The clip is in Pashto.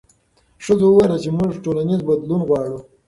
ښځو وویل چې موږ ټولنیز بدلون غواړو.